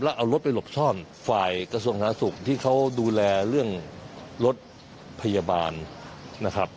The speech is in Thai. แล้วเอารถไปหลบซ่อนฝ่ายกระทรวงสาธารณสุขที่เขาดูแลเรื่องรถพยาบาลนะครับ